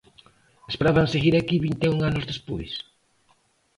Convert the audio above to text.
Esperaban seguir aquí vinte e un anos despois?